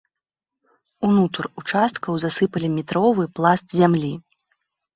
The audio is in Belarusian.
Унутр участкаў засыпалі метровы пласт зямлі.